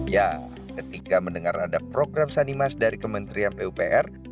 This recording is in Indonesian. ya ketika mendengar ada program sanimas dari kementerian pupr